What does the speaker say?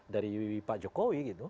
dari pak jokowi